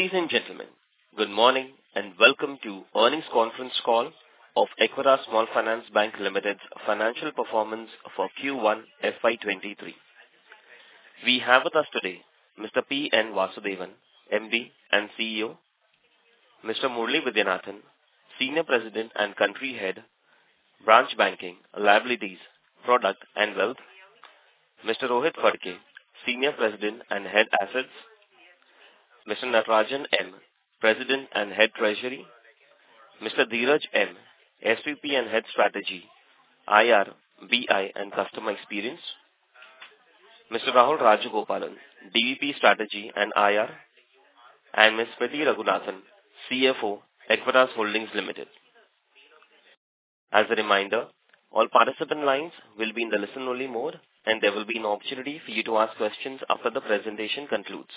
Ladies and gentlemen, good morning, and welcome to earnings conference call of Equitas Small Finance Bank Limited financial performance for Q1 FY2023. We have with us today Mr. P. N. Vasudevan, MD and CEO, Mr. Murali Vaidyanathan, Senior President and Country Head, Branch Banking, Liabilities, Product, and Wealth, Mr. Rohit Phadke, Senior President and Head, Assets, Mr. Natarajan M, President and Head, Treasury, Mr. Dheeraj M, SVP and Head, Strategy, IR, BI, and Customer Experience, Mr. Rahul Rajagopalan, DVP, Strategy and IR, and Ms. Srimathy Raghunathan, CFO, Equitas Holdings Limited. As a reminder, all participant lines will be in the listen-only mode, and there will be an opportunity for you to ask questions after the presentation concludes.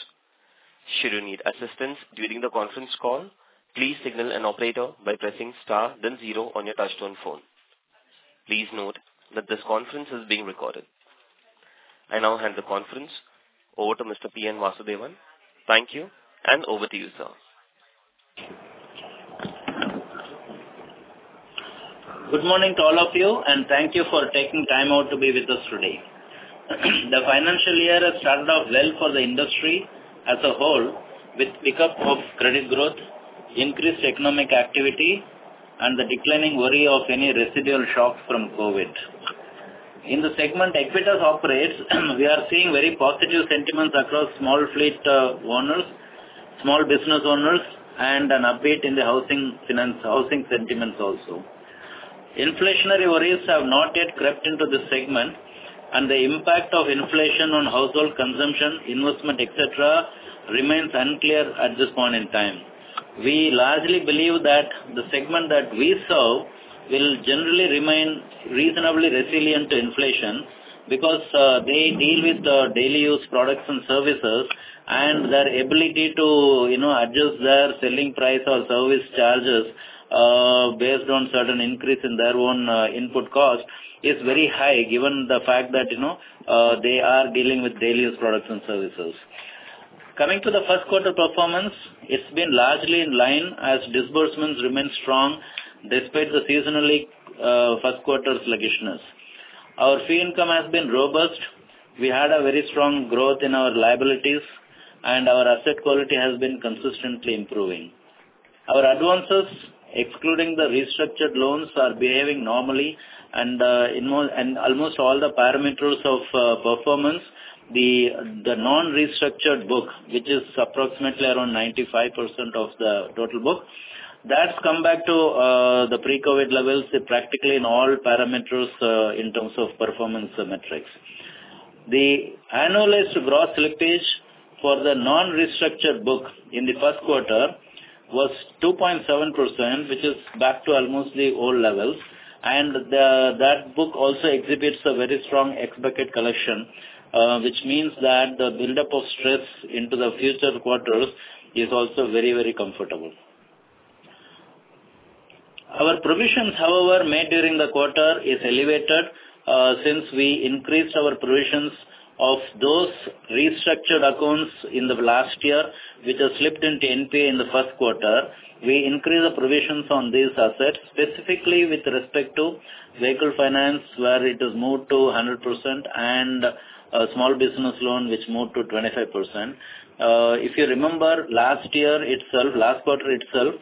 Should you need assistance during the conference call, please signal an operator by pressing star then zero on your touchtone phone. Please note that this conference is being recorded. I now hand the conference over to Mr. P. N. Vasudevan. Thank you, and over to you, sir. Good morning to all of you, and thank you for taking time out to be with us today. The financial year has started off well for the industry as a whole, with pickup of credit growth, increased economic activity, and the declining worry of any residual shocks from COVID. In the segment Equitas operates, we are seeing very positive sentiments across small fleet owners, small business owners, and an update in the housing finance, housing sentiments also. Inflationary worries have not yet crept into this segment, and the impact of inflation on household consumption, investment, et cetera, remains unclear at this point in time. We largely believe that the segment that we serve will generally remain reasonably resilient to inflation because they deal with the daily use products and services, and their ability to, you know, adjust their selling price or service charges based on certain increase in their own input cost is very high, given the fact that, you know, they are dealing with daily use products and services. Coming to the first quarter performance, it's been largely in line as disbursements remain strong despite the seasonally first quarter's sluggishness. Our fee income has been robust. We had a very strong growth in our liabilities, and our asset quality has been consistently improving. Our advances, excluding the restructured loans, are behaving normally and in most and almost all the parameters of performance, the non-restructured book, which is approximately around 95% of the total book, that's come back to the pre-COVID levels, practically in all parameters, in terms of performance metrics. The annualized gross slippage for the non-restructured book in the first quarter was 2.7%, which is back to almost the old levels, and that book also exhibits a very strong expected collection, which means that the buildup of stress into the future quarters is also very, very comfortable. Our provisions, however, made during the quarter is elevated, since we increased our provisions of those restructured accounts in the last year, which has slipped into NPA in the first quarter. We increased the provisions on these assets, specifically with respect to vehicle finance, where it is moved to 100% and a small business loan, which moved to 25%. If you remember, last year itself, last quarter itself,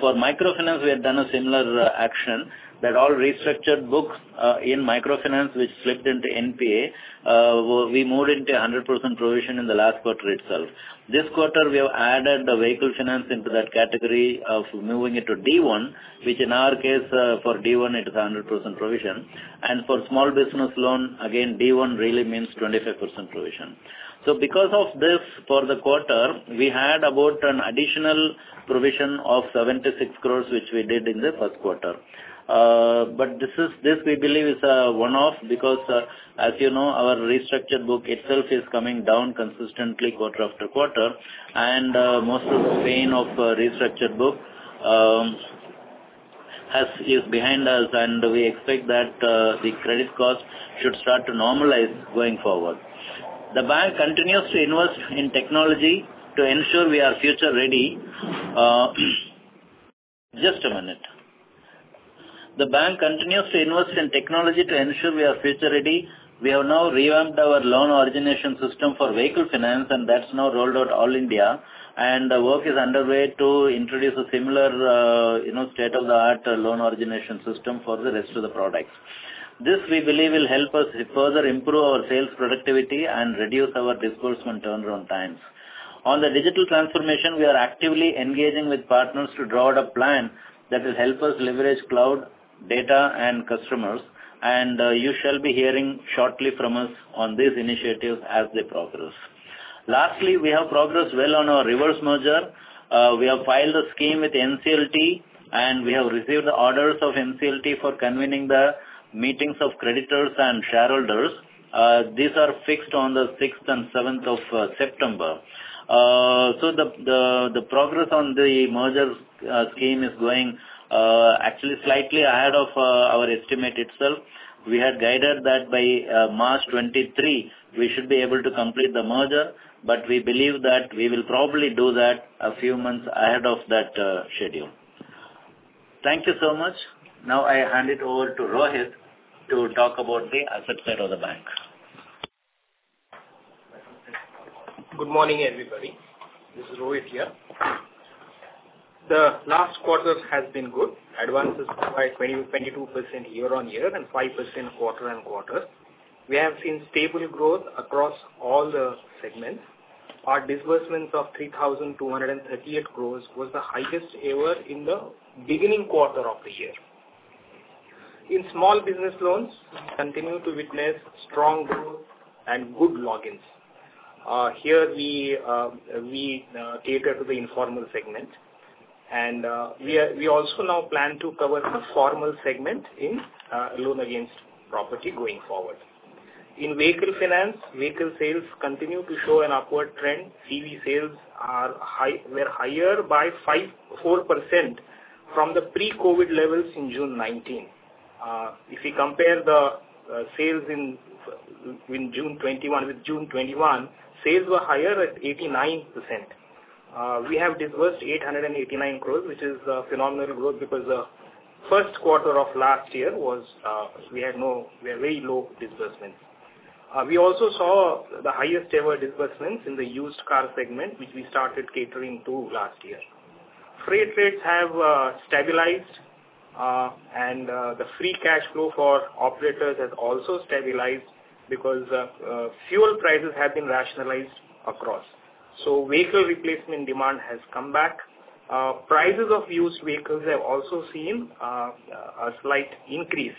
for microfinance, we had done a similar action, that all restructured books in microfinance, which slipped into NPA, we moved into a 100% provision in the last quarter itself. This quarter, we have added the vehicle finance into that category of moving it to D1, which in our case, for D1, it is a 100% provision, and for small business loan, again, D1 really means 25% provision. So because of this, for the quarter, we had about an additional provision of 76 crore, which we did in the first quarter. But this is, this we believe is a one-off because, as you know, our restructured book itself is coming down consistently quarter after quarter, and, most of the pain of, restructured book, has, is behind us, and we expect that, the credit cost should start to normalize going forward. The bank continues to invest in technology to ensure we are future ready. Just a minute. The bank continues to invest in technology to ensure we are future ready. We have now revamped our loan origination system for vehicle finance, and that's now rolled out all India, and work is underway to introduce a similar, you know, state-of-the-art loan origination system for the rest of the products. This, we believe, will help us further improve our sales productivity and reduce our disbursement turnaround times. On the digital transformation, we are actively engaging with partners to draw out a plan that will help us leverage cloud, data, and customers, and you shall be hearing shortly from us on these initiatives as they progress. Lastly, we have progressed well on our reverse merger. We have filed a scheme with NCLT, and we have received the orders of NCLT for convening the meetings of creditors and shareholders. These are fixed on the sixth and seventh of September. So the progress on the merger scheme is going actually slightly ahead of our estimate itself. We had guided that by March 2023, we should be able to complete the merger, but we believe that we will probably do that a few months ahead of that schedule. Thank you so much. Now, I hand it over to Rohit to talk about the asset side of the bank. Good morning, everybody. This is Rohit here. The last quarter has been good. Advances by 22% year-on-year and 5% quarter-on-quarter. We have seen stable growth across all the segments. Our disbursements of 3,238 crore was the highest ever in the beginning quarter of the year. In small business loans, we continue to witness strong growth and good logins. Here we cater to the informal segment, and we are- we also now plan to cover the formal segment in loan against property going forward. In vehicle finance, vehicle sales continue to show an upward trend. TV sales were higher by 4% from the pre-COVID levels in June 2019. If we compare the sales in June 2021 with June 2019, sales were higher at 89%. We have disbursed 889 crore, which is a phenomenal growth because the first quarter of last year was, we had very low disbursements. We also saw the highest ever disbursements in the used car segment, which we started catering to last year. Freight rates have stabilized, and the free cash flow for operators has also stabilized because fuel prices have been rationalized across. So vehicle replacement demand has come back. Prices of used vehicles have also seen a slight increase.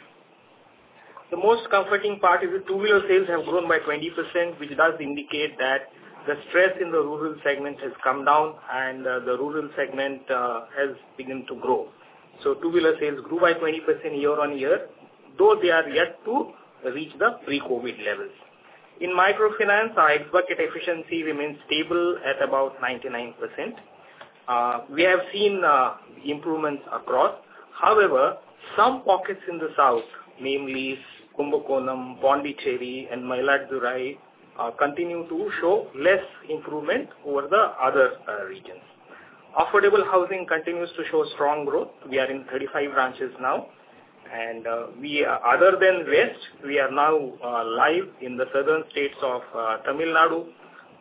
The most comforting part is the two-wheeler sales have grown by 20%, which does indicate that the stress in the rural segment has come down and the rural segment has begun to grow. So two-wheeler sales grew by 20% year-on-year, though they are yet to reach the pre-COVID levels. In microfinance, our bucket efficiency remains stable at about 99%. We have seen improvements across. However, some pockets in the south, namely Kumbakonam, Puducherry, and Mayiladuthurai, continue to show less improvement over the other regions. Affordable housing continues to show strong growth. We are in 35 branches now, and we are... Other than West, we are now live in the southern states of Tamil Nadu,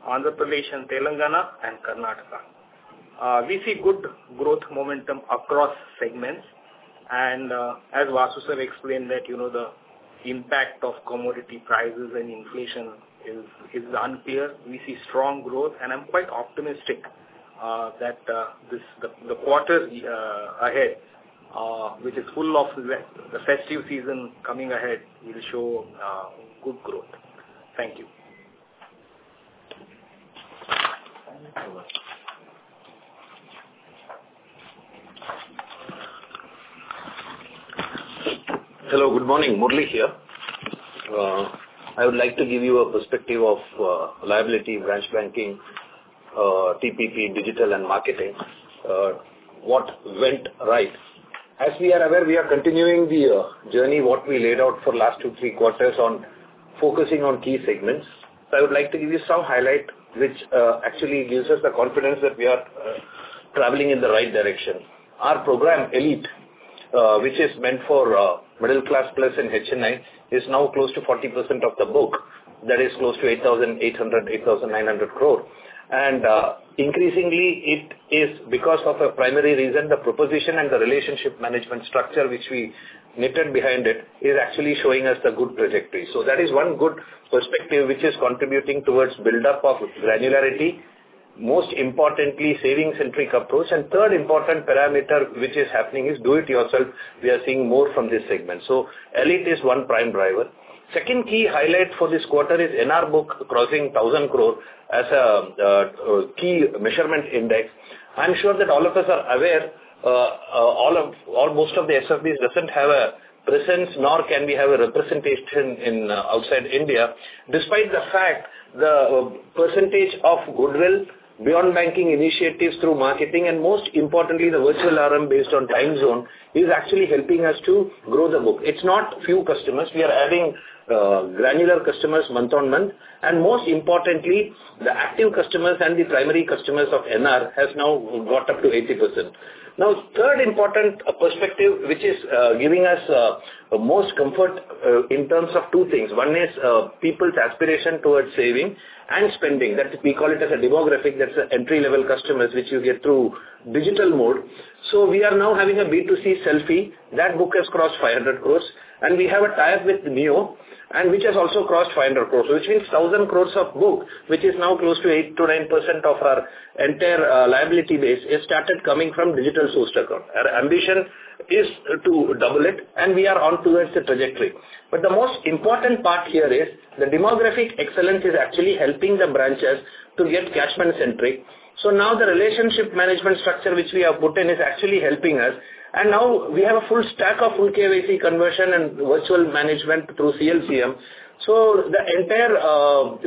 Andhra Pradesh, and Telangana and Karnataka. We see good growth momentum across segments, and as Vasu sir explained, that, you know, the impact of commodity prices and inflation is unclear. We see strong growth, and I'm quite optimistic that this, the quarter ahead, which is full of the festive season coming ahead, will show good growth. Thank you. Thank you so much. Hello, good morning. Murali here. I would like to give you a perspective of liability, branch banking, TPP, digital, and marketing, what went right. As we are aware, we are continuing the journey, what we laid out for last 2-3 quarters on focusing on key segments. So I would like to give you some highlight, which actually gives us the confidence that we are traveling in the right direction. Our program, Elite, which is meant for middle class plus and HNI, is now close to 40% of the book. That is close to 8,800-8,900 crore. And increasingly, it is because of a primary reason, the proposition and the relationship management structure, which we knitted behind it, is actually showing us the good trajectory. So that is one good perspective, which is contributing towards buildup of granularity, most importantly, savings-centric approach. Third important parameter, which is happening, is do it yourself. We are seeing more from this segment. So Elite is one prime driver. Second key highlight for this quarter is NR book crossing 1,000 crore as a key measurement index. I'm sure that all of us are aware, all of, all most of the SFBs doesn't have a presence, nor can we have a representation in, outside India. Despite the fact, the percentage of goodwill beyond banking initiatives through marketing, and most importantly, the virtual RM based on time zone, is actually helping us to grow the book. It's not few customers. We are adding granular customers month on month, and most importantly, the active customers and the primary customers of NR has now got up to 80%. Now, third important perspective, which is giving us most comfort in terms of two things. One is people's aspiration towards saving and spending. That's, we call it as a demographic, that's an entry-level customers, which you get through digital mode. So we are now having a Selfe Savings. That book has crossed 500 crore, and we have a tie-up with Niyo and which has also crossed 500 crore, which means 1,000 crore of book, which is now close to 8%-9% of our entire liability base, is started coming from digital source account. Our ambition is to double it, and we are on towards the trajectory. But the most important part here is the demographic excellence is actually helping the branches to get cash management-centric. So now the relationship management structure, which we have put in, is actually helping us. And now we have a full stack of full KYC conversion and virtual management through CLCM. So the entire,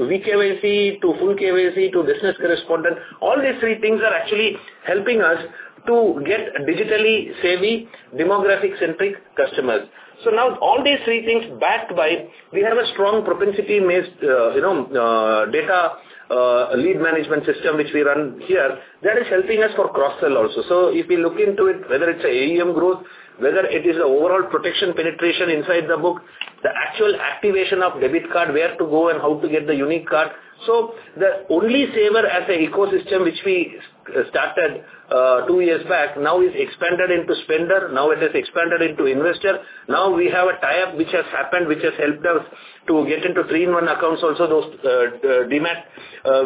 vKYC to full KYC to business correspondent, all these three things are actually helping us to get digitally savvy, demographic-centric customers. So now all these three things backed by, we have a strong propensity-based, you know, data lead management system, which we run here, that is helping us for cross-sell also. So if we look into it, whether it's AUM growth, whether it is the overall protection penetration inside the book, the actual activation of debit card, where to go and how to get the unique card. So the only saver as an ecosystem, which we started two years back, now is expanded into spender, now it is expanded into investor. Now we have a tie-up, which has happened, which has helped us to get into three-in-one accounts. Also, those Demat,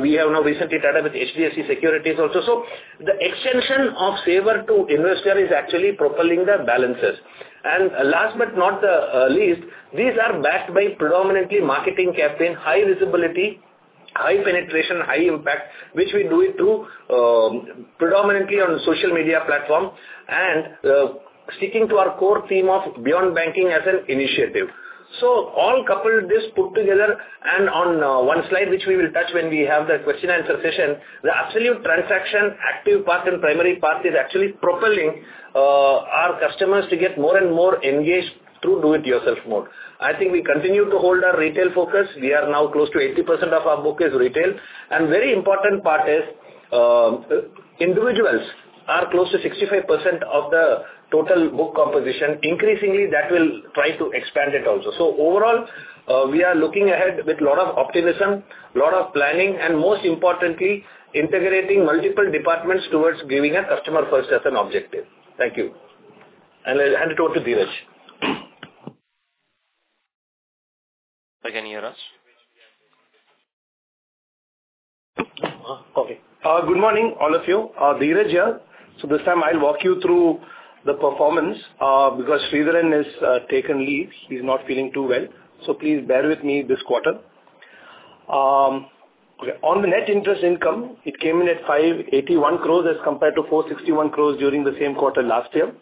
we have now recently tied up with HDFC Securities also. So the extension of saver to investor is actually propelling the balances. And last but not the least, these are backed by predominantly marketing campaign, high visibility, high penetration, high impact, which we do it through predominantly on social media platform and sticking to our core theme of beyond banking as an initiative. So all coupled, this put together and on one slide, which we will touch when we have the question and answer session, the absolute transaction, active path and primary path, is actually propelling our customers to get more and more engaged through do-it-yourself mode. I think we continue to hold our retail focus. We are now close to 80% of our book is retail. And very important part is, individuals are close to 65% of the total book composition. Increasingly, that will try to expand it also. So overall, we are looking ahead with a lot of optimism, a lot of planning, and most importantly, integrating multiple departments towards giving a customer first as an objective. Thank you. I'll hand it over to Dheeraj. Can you hear us? Okay. Good morning, all of you. Dheeraj here. So this time I'll walk you through the performance, because Sridharan has taken leave. He's not feeling too well, so please bear with me this quarter. On the net interest income, it came in at 581 crore as compared to 461 crore during the same quarter last year.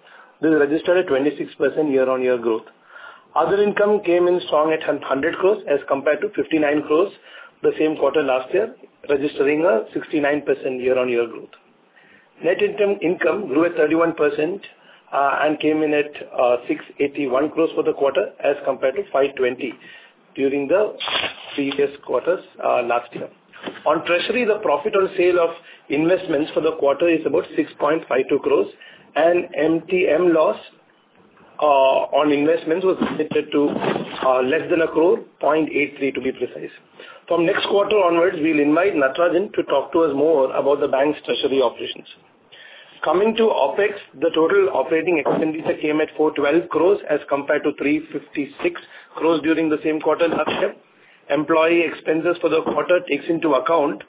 This registered a 26% year-on-year growth. Other income came in strong at 100 crore as compared to 59 crore the same quarter last year, registering a 69% year-on-year growth. Net income, income grew at 31%, and came in at 681 crore for the quarter, as compared to 520 during the previous quarters, last year. On treasury, the profit on sale of investments for the quarter is about 6.52 crores, and MTM loss on investments was limited to less than a crore, 0.83 to be precise. From next quarter onwards, we'll invite Natarajan to talk to us more about the bank's treasury operations. Coming to OpEx, the total operating expenditure came at 412 crores as compared to 356 crores during the same quarter last year. Employee expenses for the quarter takes into account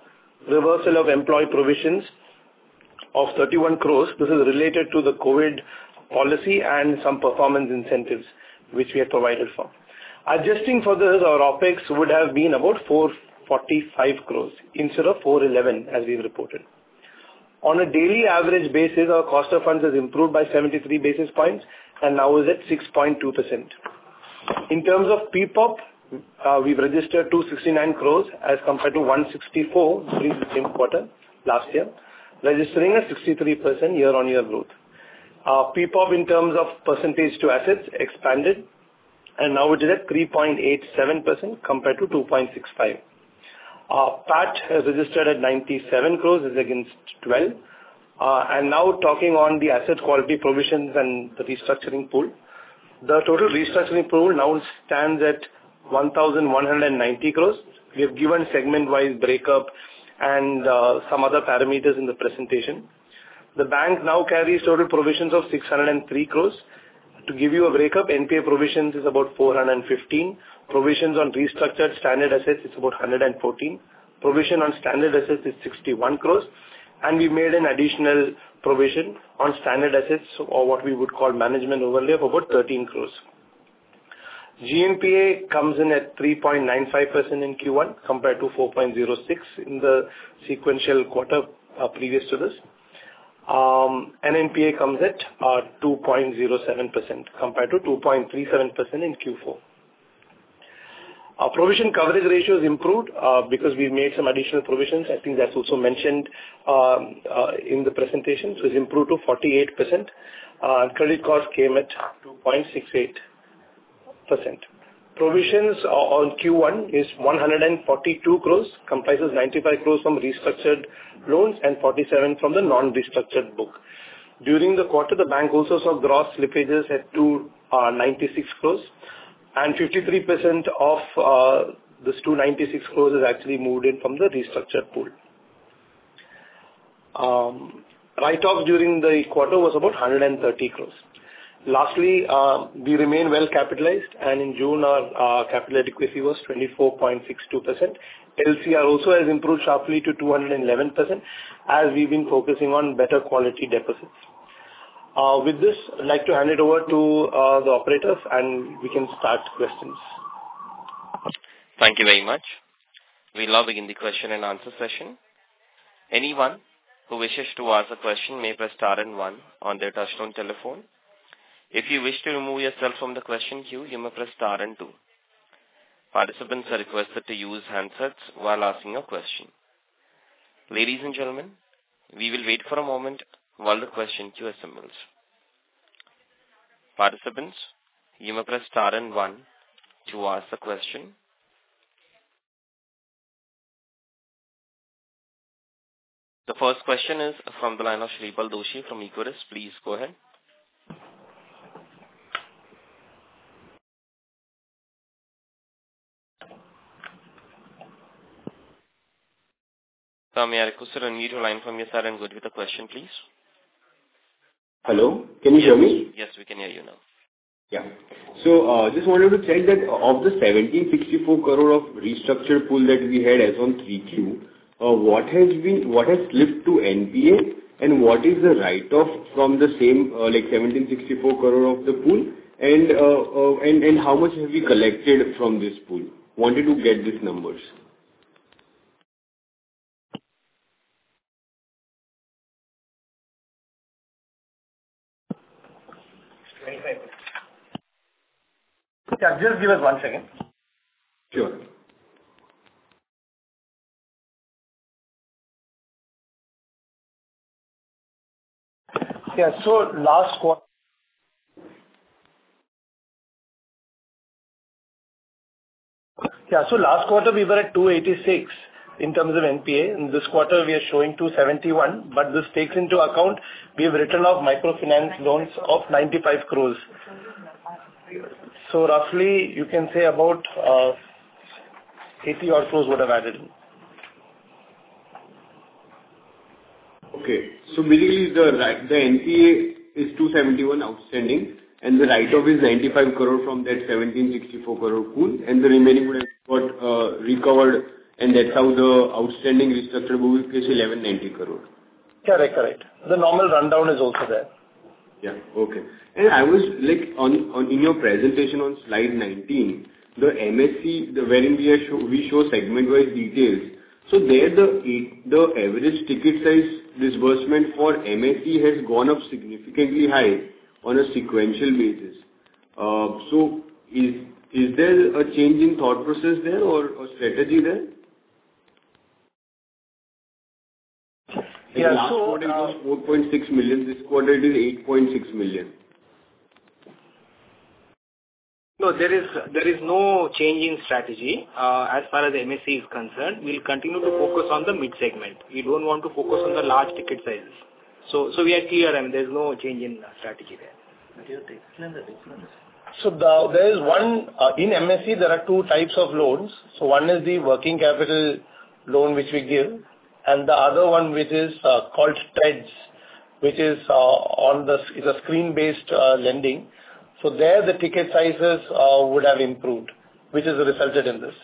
reversal of employee provisions of 31 crores. This is related to the COVID policy and some performance incentives, which we have provided for. Adjusting for this, our OpEx would have been about 445 crores instead of 411, as we've reported. On a daily average basis, our cost of funds has improved by 73 basis points and now is at 6.2%. In terms of PPOP, we've registered 269 crore as compared to 164 crore during the same quarter last year, registering a 63% year-on-year growth. Our PPOP, in terms of percentage to assets, expanded and now it is at 3.87% compared to 2.65%. Our PAT has registered at 97 crore is against 12 crore. I'm now talking on the asset quality provisions and the restructuring pool. The total restructuring pool now stands at 1,190 crore. We have given segment-wise breakup and, some other parameters in the presentation. The bank now carries total provisions of 603 crore. To give you a breakup, NPA provisions is about 415 crore, provisions on restructured standard assets is about 114 crore, provision on standard assets is 61 crore, and we made an additional provision on standard assets or what we would call management overlay of about 13 crore. GNPA comes in at 3.95% in Q1, compared to 4.06% in the sequential quarter, previous to this. NNPA comes at 2.07% compared to 2.37% in Q4. Our provision coverage ratio has improved, because we've made some additional provisions. I think that's also mentioned in the presentation. So it's improved to 48%. Credit cost came at 2.68%. Provisions on Q1 is 142 crore, comprises 95 crore from restructured loans and 47 crore from the non-restructured book. During the quarter, the bank also saw gross slippages at 296 crore, and 53% of this 296 crore is actually moved in from the restructured pool. Write-off during the quarter was about 130 crore. Lastly, we remain well-capitalized, and in June, our capital adequacy was 24.62%. LCR also has improved sharply to 211%, as we've been focusing on better quality deposits. With this, I'd like to hand it over to the operators, and we can start questions. Thank you very much. We now begin the question and answer session.... Anyone who wishes to ask a question, may press star and one on their touchtone telephone. If you wish to remove yourself from the question queue, you may press star and two. Participants are requested to use handsets while asking a question. Ladies and gentlemen, we will wait for a moment while the question queue assembles. Participants, you may press star and one to ask the question. The first question is from the line of Shripal Doshi from Equirus. Please go ahead. Sir, may I request you to unmute your line from your side and go with the question, please? Hello, can you hear me? Yes, we can hear you now. Yeah. So, just wanted to check that of the 1,764 crore of restructured pool that we had as on 3Q, what has slipped to NPA, and what is the write-off from the same, like, 1,764 crore of the pool? And how much have we collected from this pool? Wanted to get these numbers. 25. Yeah, just give us one second. Sure. Yeah. So last quarter we were at 2.86% in terms of NPA. In this quarter, we are showing 2.71%, but this takes into account we have written off microfinance loans of 95 crore. So roughly you can say about 80-odd crore would have added. Okay. So mainly the write-off, the NPA is 271 crore outstanding, and the write-off is 95 crore from that 1,764 crore pool, and the remaining would have got recovered, and that's how the outstanding restructured book is 1,190 crore? Correct, correct. The normal rundown is also there. Yeah, okay. I was, like, on... In your presentation on slide 19, the MSME, wherein we show segment-wide details. So there, the average ticket size disbursement for MSME has gone up significantly high on a sequential basis. So is there a change in thought process there or strategy there? Yeah, so- Last quarter it was 4.6 million, this quarter it is 8.6 million. No, there is no change in strategy. As far as MSME is concerned, we'll continue to focus on the mid-segment. We don't want to focus on the large ticket sizes. So we are clear, and there's no change in strategy there. But you have to explain the difference. So there is one. In MSME, there are two types of loans. So one is the working capital loan, which we give, and the other one, which is called TReDS, which is on the- is a screen-based lending. So there, the ticket sizes would have improved, which is resulted in this.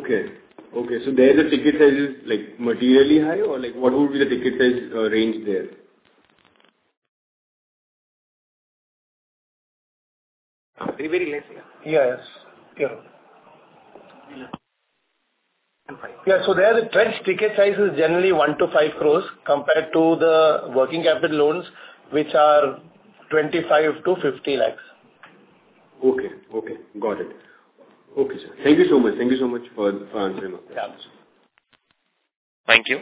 Okay. Okay, so there the ticket size is, like, materially high? Or, like, what would be the ticket size range there? Very, very less. Yes. Yeah. Yeah, so there, the TReDS ticket size is generally 1-5 crores, compared to the working capital loans, which are 25-50 lakhs. Okay, okay. Got it. Okay, sir. Thank you so much. Thank you so much for, for answering my questions. Yeah. Thank you.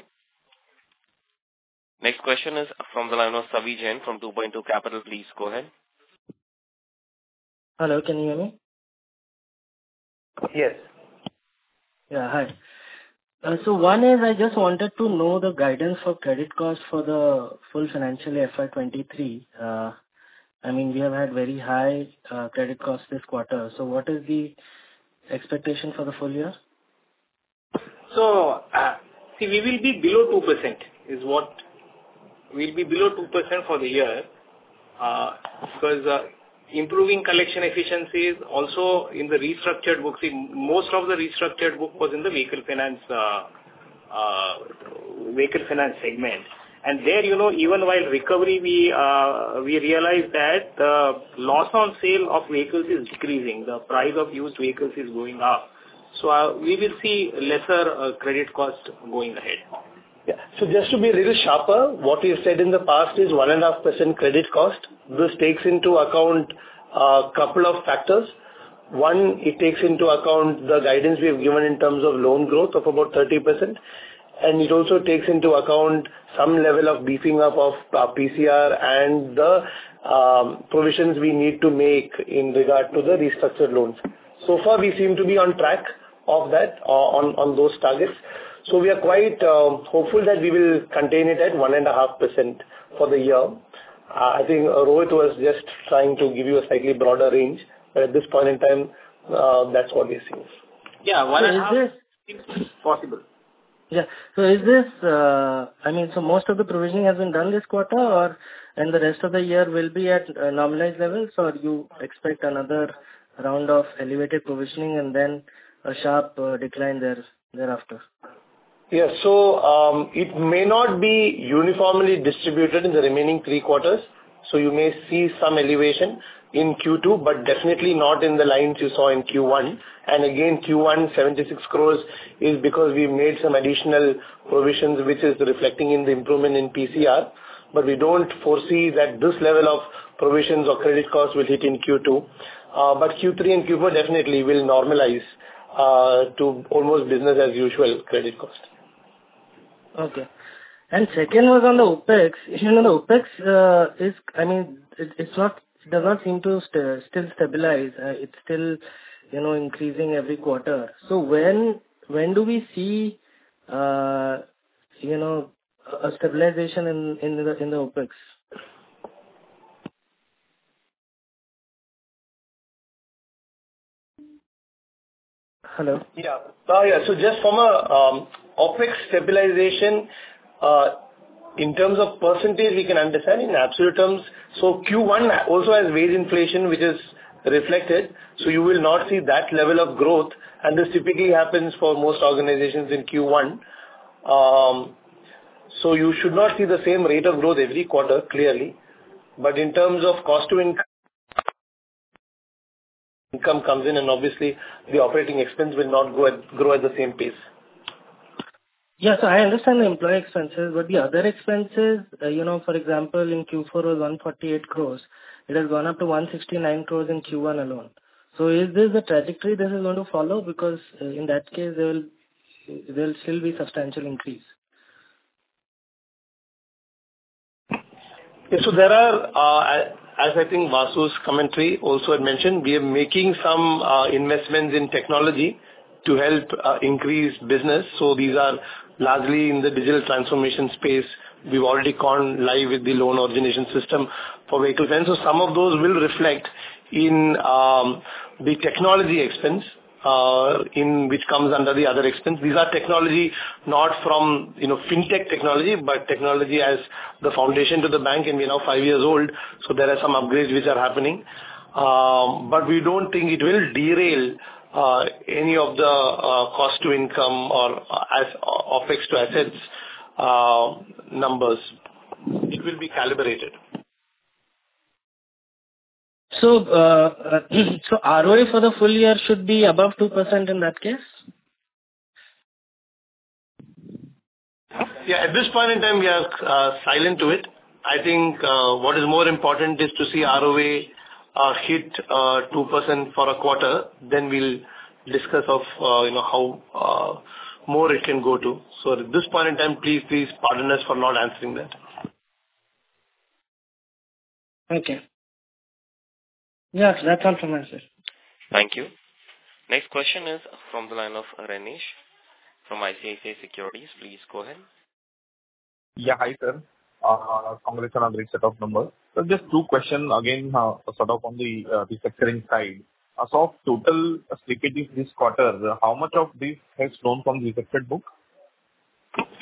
Next question is from the line of Savi Jain from 2Point2 Capital. Please go ahead. Hello, can you hear me? Yes. Yeah, hi. So one is, I just wanted to know the guidance for credit costs for the full financial year, FY 2023. I mean, we have had very high credit costs this quarter, so what is the expectation for the full year? So, see, we will be below 2%, is what... We'll be below 2% for the year, because improving collection efficiencies also in the restructured books. In most of the restructured book was in the vehicle finance, vehicle finance segment. And there, you know, even while recovery, we, we realized that, loss on sale of vehicles is decreasing. The price of used vehicles is going up. So, we will see lesser credit cost going ahead. Yeah. So just to be a little sharper, what we've said in the past is 1.5% credit cost. This takes into account, a couple of factors. One, it takes into account the guidance we have given in terms of loan growth of about 30%, and it also takes into account some level of beefing up of PCR and the provisions we need to make in regard to the restructured loans. So far, we seem to be on track of that, on those targets. So we are quite hopeful that we will contain it at 1.5% for the year. I think Rohit was just trying to give you a slightly broader range, but at this point in time, that's what we have seen. Yeah, 1.5- Is this- -possible. Yeah. So is this, I mean, so most of the provisioning has been done this quarter, or, and the rest of the year will be at, normalized levels, or you expect another round of elevated provisioning and then a sharp, decline thereafter? ... Yeah, so, it may not be uniformly distributed in the remaining three quarters, so you may see some elevation in Q2, but definitely not in the lines you saw in Q1. And again, Q1, 76 crore, is because we've made some additional provisions, which is reflecting in the improvement in PCR. But we don't foresee that this level of provisions or credit costs will hit in Q2. But Q3 and Q4 definitely will normalize, to almost business as usual credit cost. Okay. And second was on the OpEx. You know, the OpEx is, I mean, does not seem to still stabilize. It's still, you know, increasing every quarter. So when do we see, you know, a stabilization in the OpEx? Hello? Yeah. Yeah, so just from a OpEx stabilization in terms of percentage, we can understand in absolute terms. So Q1 also has wage inflation, which is reflected, so you will not see that level of growth, and this typically happens for most organizations in Q1. So you should not see the same rate of growth every quarter, clearly. But in terms of cost to income, income comes in and obviously the operating expense will not grow at the same pace. Yeah, so I understand the employee expenses, but the other expenses, you know, for example, in Q4 was 148 crore. It has gone up to 169 crore in Q1 alone. So is this a trajectory this is going to follow? Because, in that case, there will still be substantial increase. Yeah, so there are, as I think Vasu's commentary also had mentioned, we are making some investments in technology to help increase business. So these are largely in the digital transformation space. We've already gone live with the loan origination system for vehicle loans. So some of those will reflect in the technology expense, in which comes under the other expense. These are technology not from, you know, fintech technology, but technology as the foundation to the bank, and we're now five years old, so there are some upgrades which are happening. But we don't think it will derail any of the cost to income or OpEx to assets numbers. It will be calibrated. So, ROE for the full year should be above 2% in that case? Yeah, at this point in time, we are silent to it. I think what is more important is to see ROE hit 2% for a quarter, then we'll discuss of you know how more it can go to. So at this point in time, please, please pardon us for not answering that. Okay. Yeah, that's all from my side. Thank you. Next question is from the line of Renish, from ICICI Securities. Please go ahead. Yeah, hi, sir. Congratulations on the set of numbers. So just two questions again, sort of on the restructuring side. As of total liquidity this quarter, how much of this has flown from restructured book?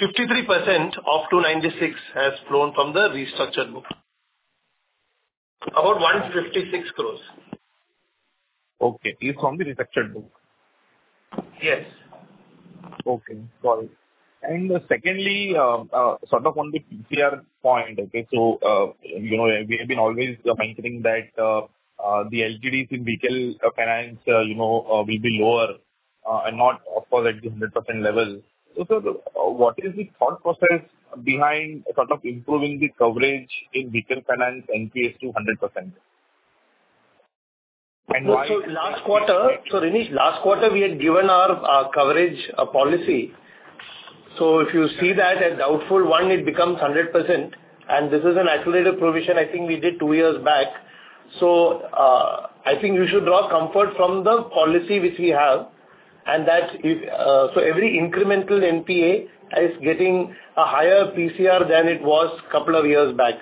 53% of 296 has flown from the restructured book. About 156 crore. Okay, is from the restructured book? Yes. Okay, got it. And secondly, sort of on the PCR point, okay. So, you know, we have been always mentioning that, the LGDs in retail finance, you know, will be lower, and not of course at the 100% level. So, what is the thought process behind sort of improving the coverage in retail finance NPA to 100%? And why- So, so last quarter, so Renish, last quarter we had given our coverage policy. So if you see that, at doubtful one, it becomes 100%, and this is an accelerated provision I think we did two years back. So, I think you should draw comfort from the policy which we have, and that is... So every incremental NPA is getting a higher PCR than it was couple of years back.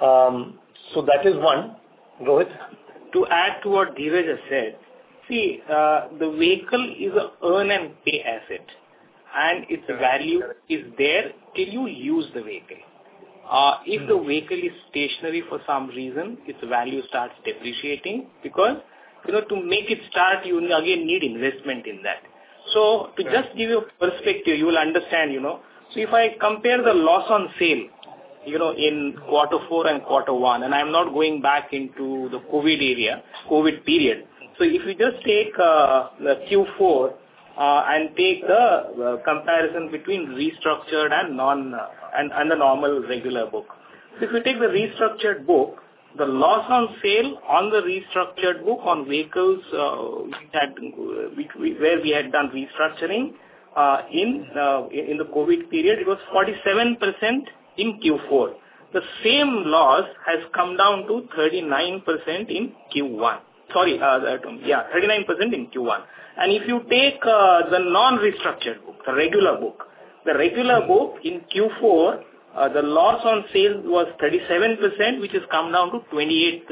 So that is one. Rohit? To add to what Dheeraj has said, see, the vehicle is an earn and pay asset, and its value is there till you use the vehicle. If the vehicle is stationary for some reason, its value starts depreciating, because, you know, to make it start, you again need investment in that. So to just give you a perspective, you will understand, you know. So if I compare the loss on sale, you know, in quarter four and quarter one, and I'm not going back into the COVID area, COVID period. So if you just take the Q4 and take the comparison between restructured and non- and the normal regular book. So if you take the restructured book, the loss on sale on the restructured book on vehicles, where we had done restructuring in the COVID period, it was 47% in Q4. The same loss has come down to 39% in Q1. Sorry, yeah, 39% in Q1. And if you take, the non-restructured book, the regular book, the regular book in Q4, the loss on sale was 37%, which has come down to 28%.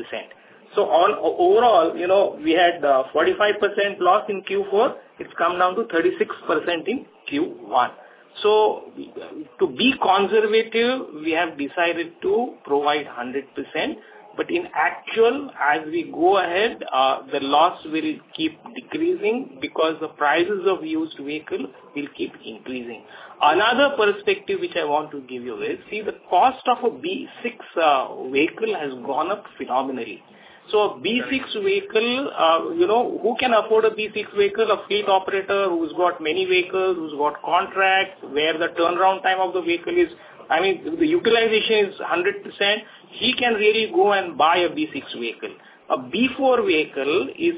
So overall, you know, we had, 45% loss in Q4, it's come down to 36% in Q1. So-... to be conservative, we have decided to provide 100%, but in actual, as we go ahead, the loss will keep decreasing because the prices of used vehicle will keep increasing. Another perspective which I want to give you is, see, the cost of a BS6 vehicle has gone up phenomenally. So a BS6 vehicle, you know, who can afford a BS6 vehicle? A fleet operator who's got many vehicles, who's got contracts, where the turnaround time of the vehicle is-- I mean, the utilization is 100%, he can really go and buy a BS6 vehicle. A BS4 vehicle is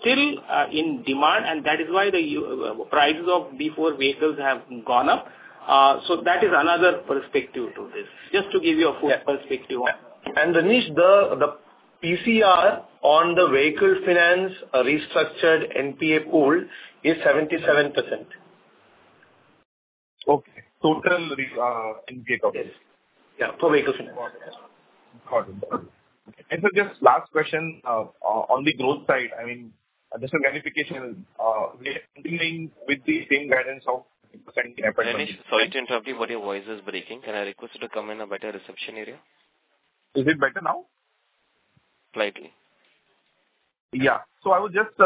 still in demand, and that is why the prices of BS4 vehicles have gone up. So that is another perspective to this, just to give you a full perspective on. Dinesh, the PCR on the vehicle finance restructured NPA pool is 77%. Okay. Total NPA pool. Yes. Yeah, for vehicle finance. Got it. Got it. Just last question, on the growth side, I mean, just a clarification, we are continuing with the same guidance of percent- Dinesh, sorry to interrupt you, but your voice is breaking. Can I request you to come in a better reception area? Is it better now? Slightly. Yeah. So I was just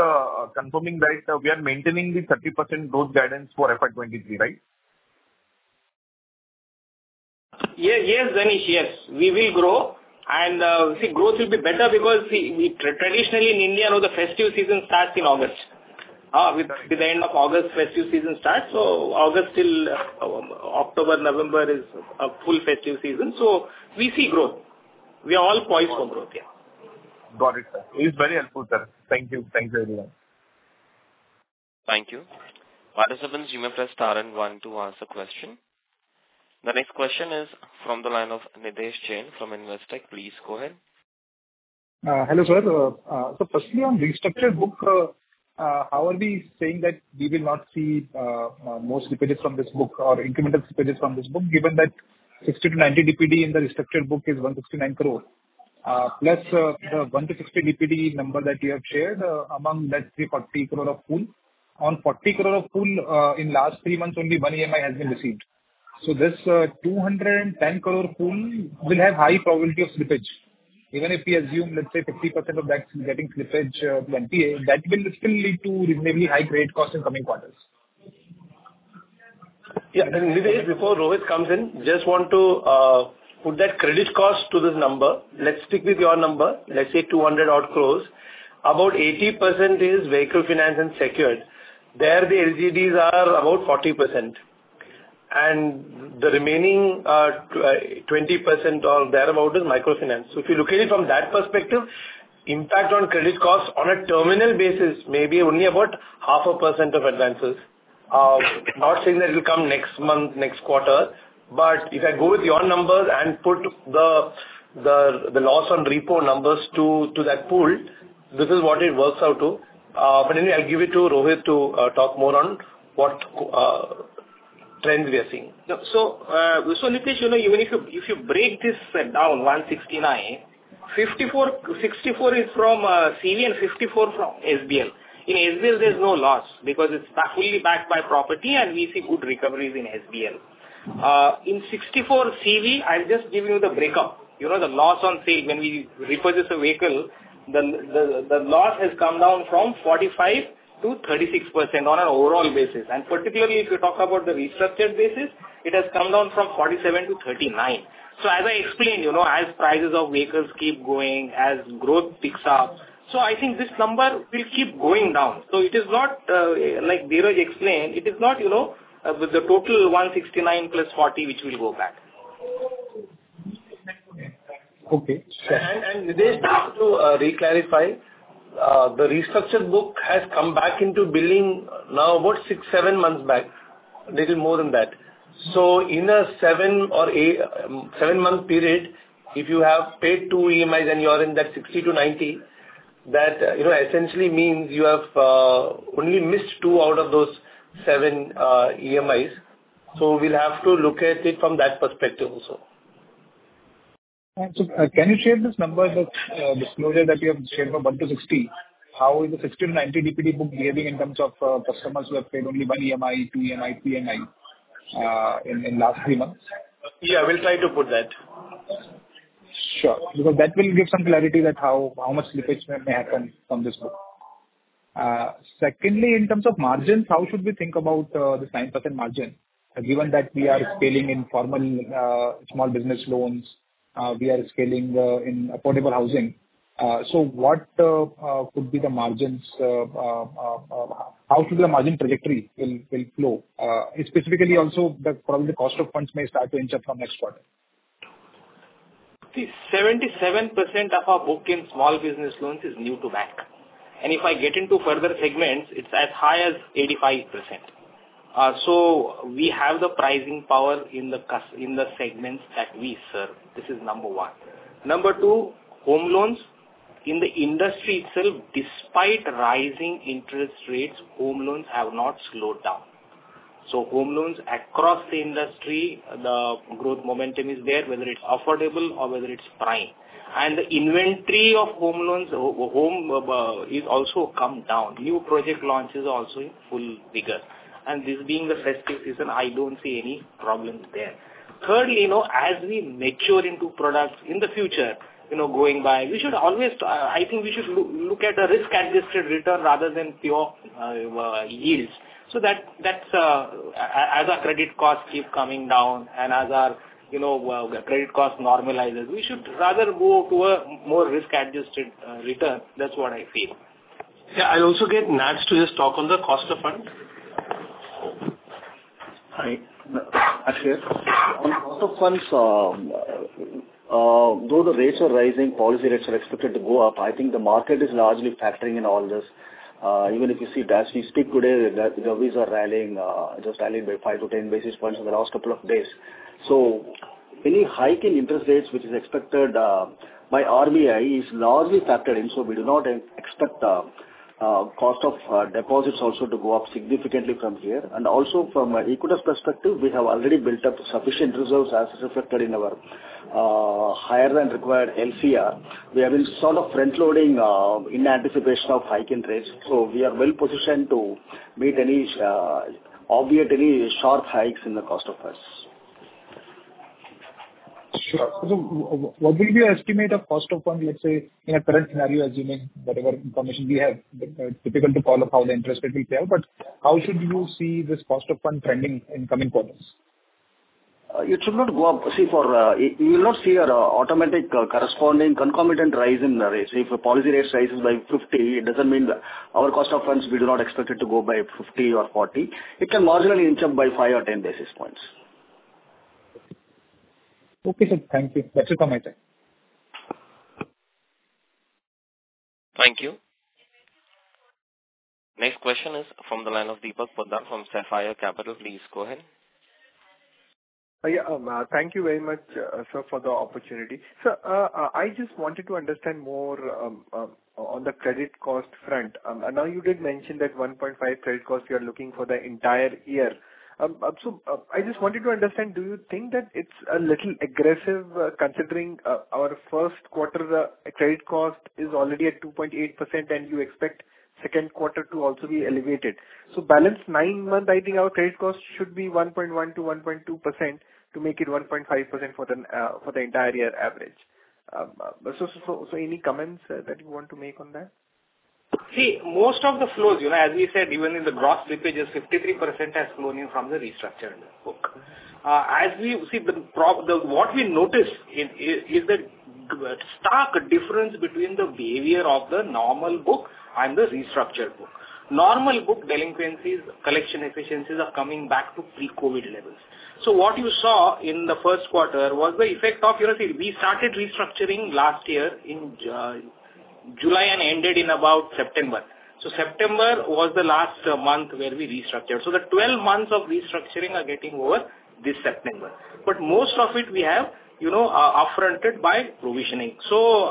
confirming that we are maintaining the 30% growth guidance for FY 2023, right? Yes, yes, Dinesh, yes, we will grow. And, see, growth will be better because, see, we traditionally in India, now the festive season starts in August. With the end of August, festive season starts. So August till, October, November is a full festive season, so we see growth. We are all poised for growth, yeah. Got it, sir. It's very helpful, sir. Thank you. Thank you, everyone. Thank you. Operator, do you have press star and one to ask a question? The next question is from the line of Nidhesh Jain from Investec. Please go ahead. Hello, sir. So firstly on restructured book, how are we saying that we will not see most slippages from this book or incremental slippages from this book, given that 60-90 DPD in the restructured book is 169 crore, plus, 1-60 DPD number that you have shared, among that 340 crore of pool. On 40 crore of pool, in last three months, only one EMI has been received. So this, 210 crore pool will have high probability of slippage. Even if we assume, let's say, 50% of that getting slippage, NPA, that will still lead to maybe high grade costs in coming quarters? Yeah, Nidhesh, before Rohit comes in, just want to put that credit cost to this number. Let's stick with your number, let's say 200 crore. About 80% is vehicle finance and secured. There, the LGDs are about 40%, and the remaining twenty percent or thereabout is microfinance. So if you look at it from that perspective, impact on credit costs on a terminal basis may be only about 0.5% of advances. Not saying that it will come next month, next quarter, but if I go with your numbers and put the loss on repo numbers to that pool, this is what it works out to. But anyway, I'll give it to Rohit to talk more on what trends we are seeing. No, so, Nidhesh, you know, even if you, if you break this down, 169, 54--64 is from CV and 54 from SBL. In SBL, there's no loss because it's fully backed by property, and we see good recoveries in SBL. In 64 CV, I'll just give you the breakup. You know, the loss on sale when we repossess a vehicle, the, the loss has come down from 45% to 36% on an overall basis. And particularly, if you talk about the restructured basis, it has come down from 47% to 39%. So as I explained, you know, as prices of vehicles keep going, as growth picks up, so I think this number will keep going down. So it is not, like Dheeraj explained, it is not, you know, with the total 169 + 40, which will go back. Okay, sure. Nidhesh, just to reclarify, the restructured book has come back into billing now about 6-7 months back, little more than that. So in a 7 or 8 month period, if you have paid 2 EMIs and you are in that 60-90, that, you know, essentially means you have only missed 2 out of those 7 EMIs. So we'll have to look at it from that perspective also. So, can you share this number, the disclosure that you have shared from 1-60? How is the 60-90 DPD book behaving in terms of customers who have paid only 1 EMI, 2 EMI, 3 EMI in last 3 months? Yeah, we'll try to put that. Sure, because that will give some clarity that how much slippage may happen from this book. Secondly, in terms of margins, how should we think about the 9% margin, given that we are scaling in formal small business loans, we are scaling in affordable housing? So what could be the margins, how could the margin trajectory will flow? Specifically also, the probably cost of funds may start to inch up from next quarter. See, 77% of our book in small business loans is new to vKYC. And if I get into further segments, it's as high as 85%. So we have the pricing power in the cus- in the segments that we serve. This is number one. Number two, home loans. In the industry itself, despite rising interest rates, home loans have not slowed down. So home loans across the industry, the growth momentum is there, whether it's affordable or whether it's prime. And the inventory of home loans, h- h- home, is also come down. New project launches are also in full vigor. And this being the festive season, I don't see any problems there.... Thirdly, you know, as we mature into products in the future, you know, going by, we should always, I think we should look at the risk-adjusted return rather than pure yields. So that, that's, as our credit costs keep coming down and as our, you know, credit costs normalizes, we should rather go to a more risk-adjusted return. That's what I feel. Yeah, I also get Natarajan to just talk on the cost of fund. Hi, Akshay. On cost of funds, though the rates are rising, policy rates are expected to go up, I think the market is largely factoring in all this. Even if you see, as we speak today, the rates are rallying, just rallying by 5-10 basis points in the last couple of days. So any hike in interest rates, which is expected, by RBI, is largely factored in, so we do not expect cost of deposits also to go up significantly from here. And also from an equity perspective, we have already built up sufficient reserves, as reflected in our higher than required LCR. We have been sort of front-loading in anticipation of hike in rates, so we are well positioned to meet any, obviously, any sharp hikes in the cost of funds. Sure. So what will be your estimate of cost of fund, let's say, in a current scenario, assuming whatever information we have, it's difficult to call how the interest rate will play out, but how should you see this cost of fund trending in coming quarters? It should not go up. See, you will not see an automatic corresponding concomitant rise in the rates. If the policy rate rises by 50, it doesn't mean that our cost of funds, we do not expect it to go by 50 or 40. It can marginally inch up by 5 or 10 basis points. Okay, sir. Thank you. That's it from my side. Thank you. Next question is from the line of Deepak Poddar from Sapphire Capital. Please go ahead. Yeah, thank you very much, sir, for the opportunity. Sir, I just wanted to understand more on the credit cost front. I know you did mention that 1.5 credit cost you're looking for the entire year. So, I just wanted to understand, do you think that it's a little aggressive, considering our first quarter, the credit cost is already at 2.8%, and you expect second quarter to also be elevated. So balance nine months, I think our credit cost should be 1.1%-1.2%, to make it 1.5% for the entire year average. Any comments that you want to make on that? See, most of the flows, you know, as we said, even in the gross slippages, 53% has flown in from the restructured book. See, what we noticed is that stark difference between the behavior of the normal book and the restructured book. Normal book delinquencies, collection efficiencies are coming back to pre-COVID levels. So what you saw in the first quarter was the effect of, you know, we started restructuring last year in July and ended in about September. So September was the last month where we restructured. So the 12 months of restructuring are getting over this September. But most of it we have, you know, upfronted by provisioning. So,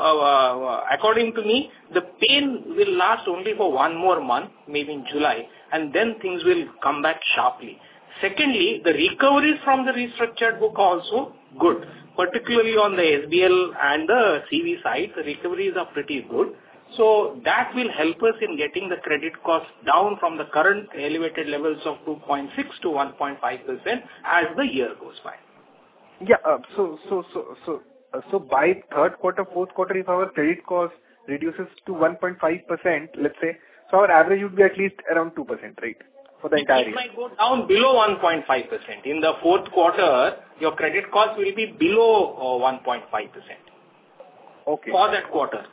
according to me, the pain will last only for one more month, maybe in July, and then things will come back sharply. Secondly, the recoveries from the restructured book are also good, particularly on the SBL and the CV side, the recoveries are pretty good. So that will help us in getting the credit cost down from the current elevated levels of 2.6%-1.5% as the year goes by. Yeah. So by third quarter, fourth quarter, if our credit cost reduces to 1.5%, let's say, so our average would be at least around 2%, right? For the entire year. It might go down below 1.5%. In the fourth quarter, your credit cost will be below 1.5%. Okay. For that quarter.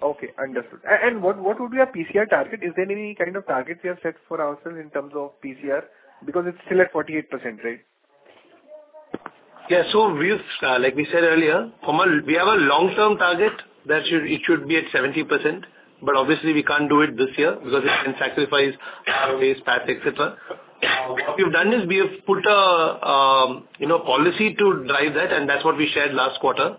Okay, understood. And what, what would be our PCR target? Is there any kind of targets you have set for ourselves in terms of PCR? Because it's still at 48%, right? Yeah. So we've, like we said earlier, from a... We have a long-term target that should, it should be at 70%, but obviously we can't do it this year because we can't sacrifice ROAs, PAT, et cetera. What we've done is, we have put a, you know, policy to drive that, and that's what we shared last quarter.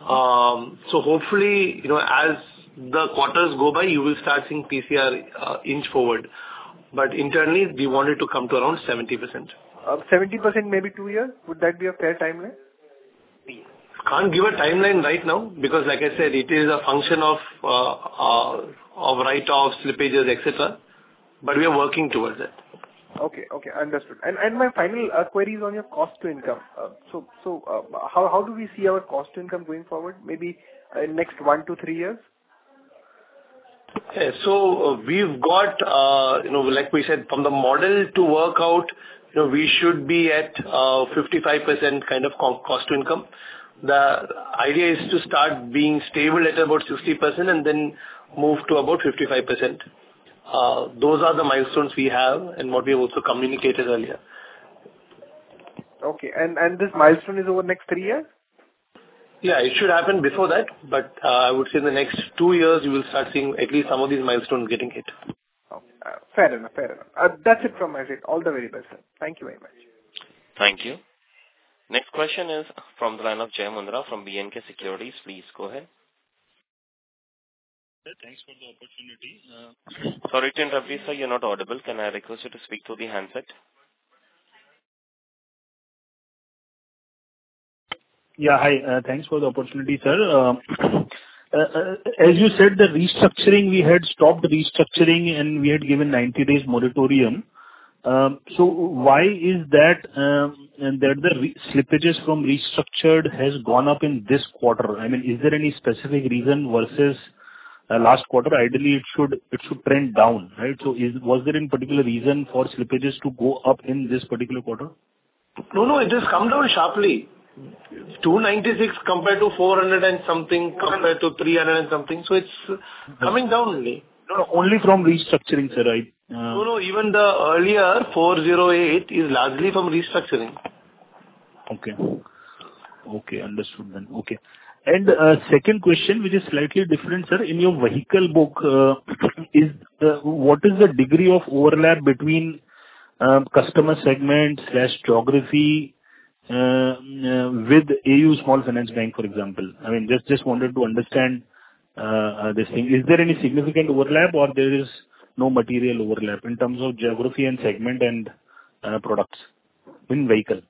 So hopefully, you know, as the quarters go by, you will start seeing PCR inch forward. But internally, we want it to come to around 70%. 70%, maybe 2 years, would that be a fair timeline? We can't give a timeline right now because, like I said, it is a function of write-offs, slippages, et cetera. But we are working towards that. Okay. Okay, understood. And my final query is on your cost to income. So, how do we see our cost to income going forward, maybe in next one to three years? Okay. So we've got, you know, like we said, from the model to work out, you know, we should be at 55% kind of cost to income. The idea is to start being stable at about 60% and then move to about 55%. Those are the milestones we have and what we also communicated earlier. Okay. And this milestone is over the next three years? Yeah, it should happen before that, but, I would say in the next two years, you will start seeing at least some of these milestones getting hit. Okay. Fair enough. Fair enough. That's it from my side. All the very best, sir. Thank you very much. Thank you. Next question is from the line of Jai Mundra, from B&K Securities. Please go ahead. Sir, thanks for the opportunity. Sorry to interrupt you, sir. You're not audible. Can I request you to speak through the handset?... Yeah, hi. Thanks for the opportunity, sir. As you said, the restructuring, we had stopped restructuring, and we had given 90 days moratorium. So why is that, that the slippages from restructured has gone up in this quarter? I mean, is there any specific reason versus last quarter? Ideally, it should trend down, right? So was there any particular reason for slippages to go up in this particular quarter? No, no, it has come down sharply. 296 compared to 400-something, compared to 300-something, so it's coming down only. No, only from restructuring, sir, right? No, no. Even the earlier 408 is largely from restructuring. Okay. Okay, understood then. Okay. And, second question, which is slightly different, sir. In your vehicle book, is the... What is the degree of overlap between, customer segment/geography, with AU Small Finance Bank, for example? I mean, just, just wanted to understand, this thing. Is there any significant overlap or there is no material overlap in terms of geography and segment and, products in vehicle?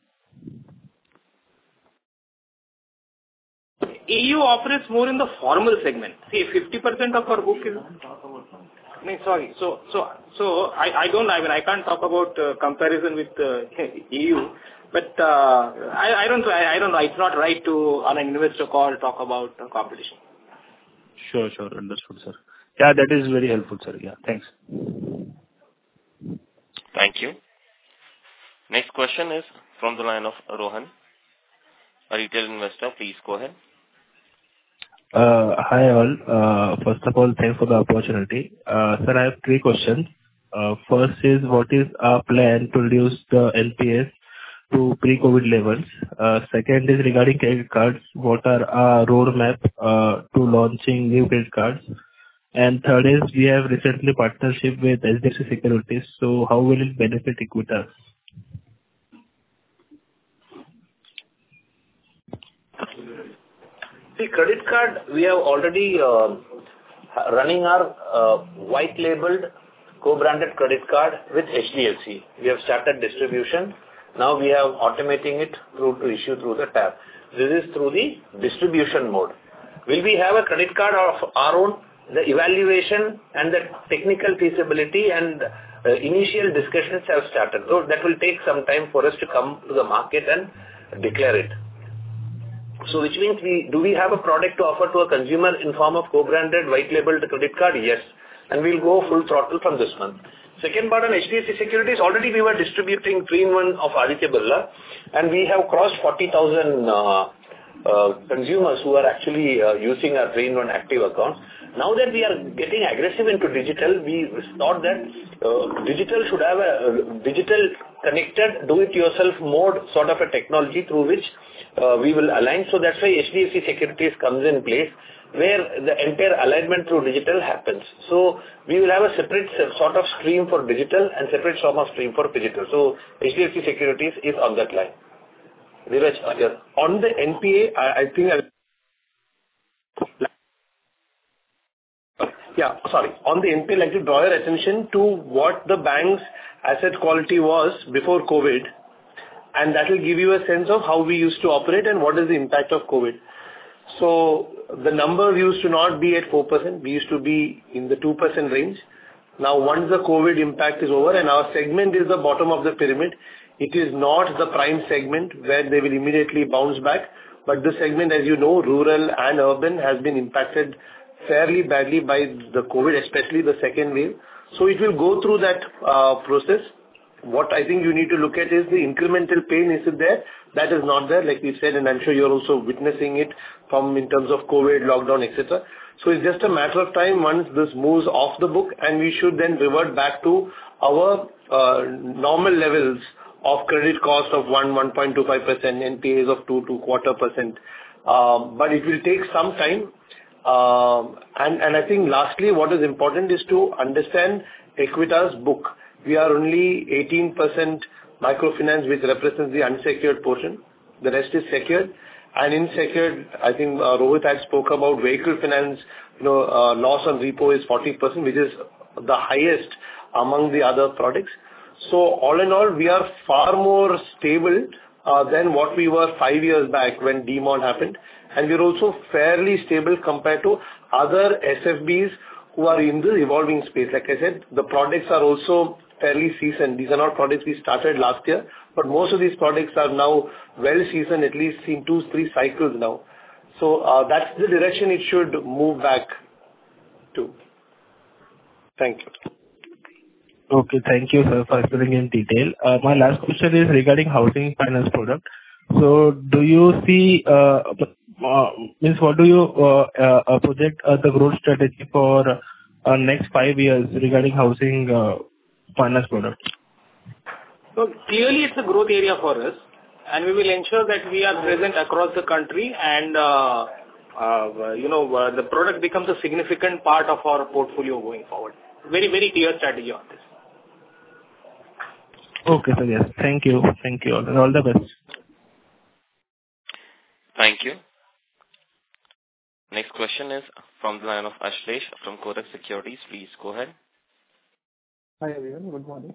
AU operates more in the formal segment. See, 50% of our book is- Don't talk about them. I mean, sorry. So, I don't know, I mean, I can't talk about comparison with AU. But, I don't know, it's not right to, on an investor call, talk about competition. Sure, sure. Understood, sir. Yeah, that is very helpful, sir. Yeah, thanks. Thank you. Next question is from the line of Rohan, a retail investor. Please go ahead. Hi, all. First of all, thanks for the opportunity. Sir, I have three questions. First is, what is our plan to reduce the NPA to pre-COVID levels? Second is regarding credit cards. What are our roadmap to launching new credit cards? And third is, we have recently partnership with HDFC Securities, so how will it benefit Equitas? The credit card, we are already running our white labeled co-branded credit card with HDFC. We have started distribution. Now, we are automating it through to issue through the tab. This is through the distribution mode. Will we have a credit card of our own? The evaluation and the technical feasibility and initial discussions have started. So that will take some time for us to come to the market and declare it. So which means we... Do we have a product to offer to a consumer in form of co-branded, white labeled credit card? Yes, and we'll go full throttle from this month. Second part on HDFC Securities, already we were distributing 3-in-1 of Aditya Birla, and we have crossed 40,000 consumers who are actually using our 3-in-1 active account. Now that we are getting aggressive into digital, we thought that, digital should have a, digital connected, do-it-yourself mode, sort of a technology, through which, we will align. So that's why HDFC Securities comes in place, where the entire alignment through digital happens. So we will have a separate sort of stream for digital and separate sort of stream for physical. So HDFC Securities is on that line. Dheeraj? On the NPA, I, I think I'll... Yeah, sorry. On the NPA, I'd like to draw your attention to what the bank's asset quality was before COVID, and that will give you a sense of how we used to operate and what is the impact of COVID. So the number used to not be at 4%. We used to be in the 2% range. Now, once the COVID impact is over, and our segment is the bottom of the pyramid, it is not the prime segment where they will immediately bounce back. But this segment, as you know, rural and urban, has been impacted fairly badly by the COVID, especially the second wave. So it will go through that, process. What I think you need to look at is the incremental pain, is it there? That is not there, like we said, and I'm sure you're also witnessing it from in terms of COVID lockdown, et cetera. So it's just a matter of time once this moves off the book, and we should then revert back to our, normal levels of credit costs of 1-1.25%, NPAs of 2-2.25%. But it will take some time. I think lastly, what is important is to understand Equitas' book. We are only 18% microfinance, which represents the unsecured portion. The rest is secured. And in secured, I think, Rohit had spoke about vehicle finance. You know, loss on repo is 14%, which is the highest among the other products. So all in all, we are far more stable than what we were five years back when demonetization happened. And we are also fairly stable compared to other SFBs who are in the evolving space. Like I said, the products are also fairly seasoned. These are not products we started last year, but most of these products are now well seasoned, at least in two, three cycles now. So, that's the direction it should move back to. Thank you. Okay. Thank you, sir, for explaining in detail. My last question is regarding Housing finance product. So do you see what do you project the growth strategy for next five years regarding Housing finance products? So clearly, it's a growth area for us, and we will ensure that we are present across the country and, you know, the product becomes a significant part of our portfolio going forward. Very, very clear strategy on this. Okay, sir. Yes. Thank you. Thank you, and all the best. Thank you. Next question is from the line of Ashlesh from Kotak Securities. Please go ahead. Hi, everyone. Good morning.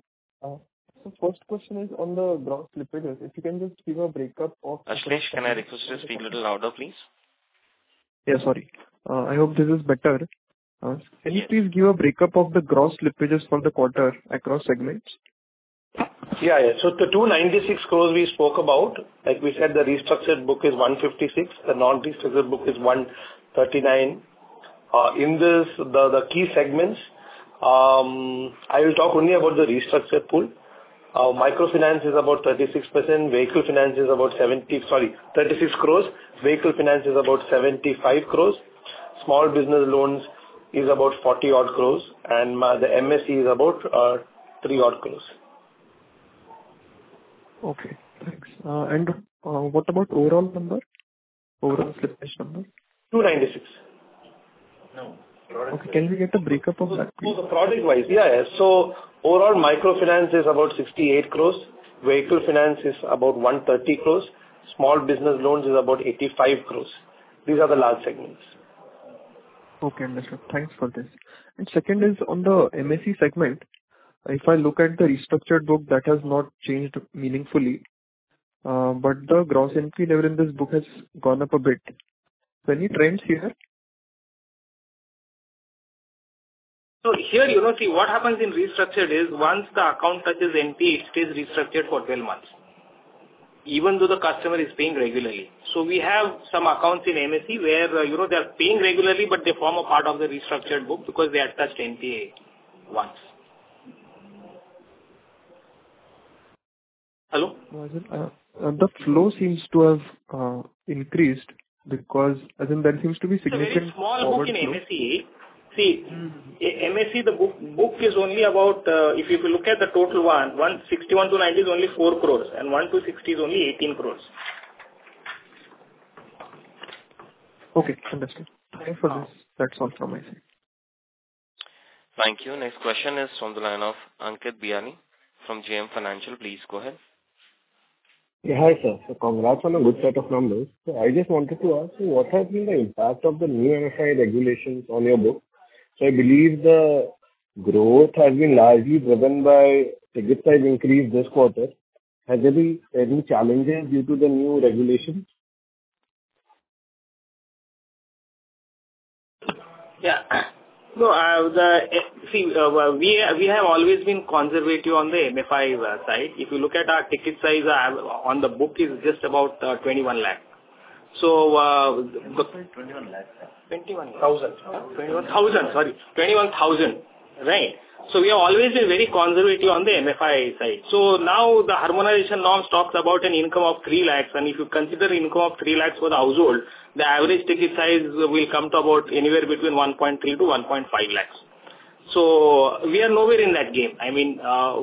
First question is on the gross slippages. If you can just give a breakup of- Ashlesh, can I request you to speak a little louder, please? Yeah, sorry. I hope this is better. Can you please give a break-up of the gross slippages for the quarter across segments? Yeah, yeah. So the 296 crore we spoke about, like we said, the restructured book is 156 crore, the non-restructured book is 139 crore. In this, the key segments, I will talk only about the restructured pool. Microfinance is about 36%. Sorry, 36 crore. Vehicle finance is about 75 crore. Small business loans is about 40-odd crore, and the MSME is about 3-odd crore. Okay, thanks. What about overall number, overall slippage number? Two ninety-six. Okay. Can we get a breakup of that, please? So the product-wise, yeah, yeah. So overall, microfinance is about 68 crore, vehicle finance is about 130 crore, small business loans is about 85 crore. These are the large segments. Okay, understood. Thanks for this. And second is on the MSE segment. If I look at the restructured book, that has not changed meaningfully, but the gross NPA level in this book has gone up a bit. Any trends here? So here, you know, see, what happens in restructured is once the account touches NPA, it stays restructured for 12 months, even though the customer is paying regularly. So we have some accounts in MSE where, you know, they are paying regularly, but they form a part of the restructured book because they have touched NPA once. Hello? The flow seems to have increased because, as in, there seems to be significant forward flow. It's a very small book in MSE Mm-hmm. MSME, the book is only about, if you look at the total 61-90 is only 4 crore, and 1-60 is only 18 crore. Okay, understood. Thank you. Thanks for this. That's all from my side. Thank you. Next question is from the line of Ankit Bihani from JM Financial. Please go ahead. Yeah, hi, sir. So congrats on a good set of numbers. So I just wanted to ask you, what has been the impact of the new MFI regulations on your book? So I believe the growth has been largely driven by ticket size increase this quarter. Has there been any challenges due to the new regulations? Yeah. No, see, we, we have always been conservative on the MFI side. If you look at our ticket size on the book, is just about 21 lakh. So, You said 21 lakh, sir? Twenty-one- Thousand. Thousand, sorry. 21,000, right? So we have always been very conservative on the MFI side. So now the harmonization norm talks about an income of 3 lakh, and if you consider income of 3 lakh for the household, the average ticket size will come to about anywhere between 1.3 lakh-1.5 lakh. So we are nowhere in that game. I mean,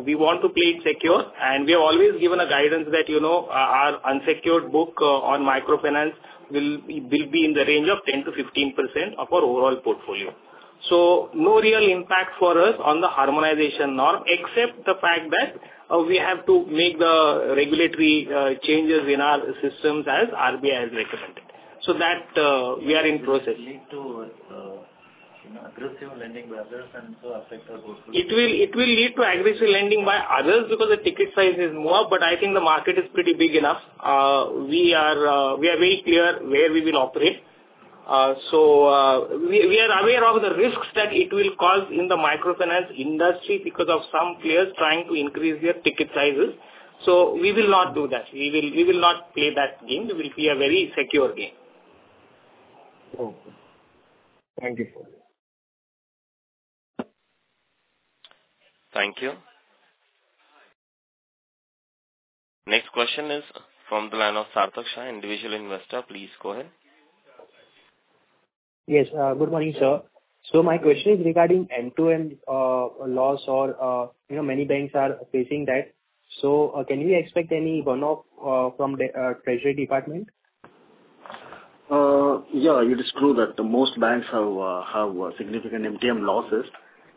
we want to play it secure, and we have always given a guidance that, you know, our, our unsecured book on microfinance will be in the range of 10%-15% of our overall portfolio. So no real impact for us on the harmonization norm, except the fact that we have to make the regulatory changes in our systems as RBI has recommended. So that we are in process. Lead to, you know, aggressive lending brothers and so affect our growth. It will, it will lead to aggressive lending by others because the ticket size is more, but I think the market is pretty big enough. We are, we are very clear where we will operate. So, we, we are aware of the risks that it will cause in the microfinance industry because of some players trying to increase their ticket sizes. So we will not do that. We will, we will not play that game. It will be a very secure game. Okay. Thank you. Thank you. Next question is from the line of Sarthak Shah, individual investor. Please go ahead. Yes, good morning, sir. So my question is regarding MTM loss or, you know, many banks are facing that. So, can we expect any one-off from the treasury department? Yeah, it is true that the most banks have significant MTM losses,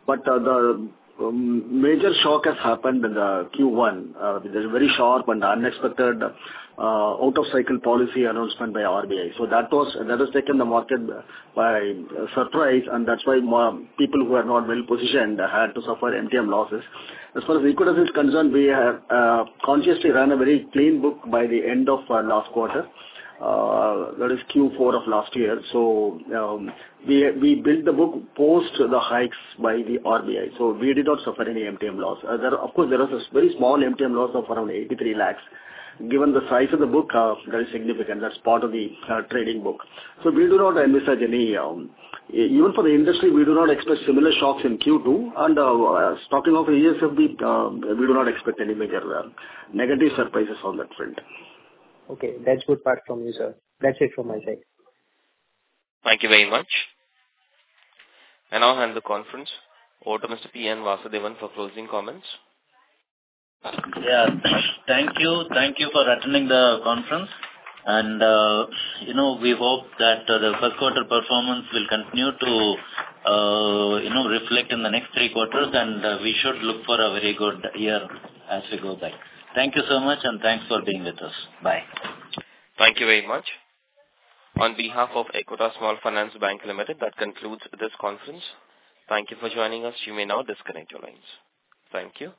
but the major shock has happened in the Q1. There's a very sharp and unexpected out-of-cycle policy announcement by RBI. So that was that has taken the market by surprise, and that's why more people who are not well-positioned had to suffer MTM losses. As far as Equitas is concerned, we have consciously run a very clean book by the end of last quarter, that is Q4 of last year. So, we built the book post the hikes by the RBI, so we did not suffer any MTM loss. There, of course, there was a very small MTM loss of around 83 lakh. Given the size of the book, very significant. That's part of the trading book. So we do not envisage any. Even for the industry, we do not expect similar shocks in Q2, and talking of the year, so we do not expect any major negative surprises on that front. Okay, that's a good point from you, sir. That's it from my side. Thank you very much. I now hand the conference over to Mr. P. N. Vasudevan for closing comments. Yeah. Thank you. Thank you for attending the conference, and, you know, we hope that the first quarter performance will continue to, you know, reflect in the next three quarters, and we should look for a very good year as we go back. Thank you so much, and thanks for being with us. Bye. Thank you very much. On behalf of Equitas Small Finance Bank Limited, that concludes this conference. Thank you for joining us. You may now disconnect your lines. Thank you.